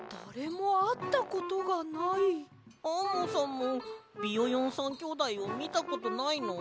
アンモさんもビヨヨン３きょうだいをみたことないの？